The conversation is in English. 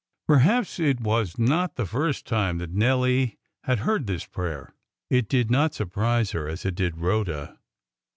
Perhaps it was not the first time that Nelly had heard this prayer. It did not surprise her as it did Rhoda.